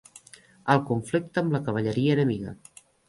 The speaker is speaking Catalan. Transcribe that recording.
El conflicte amb la cavalleria enemiga.